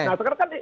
nah sekarang kan